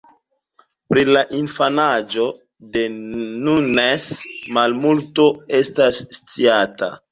Pri la infanaĝo de Nunes malmulto estas sciata.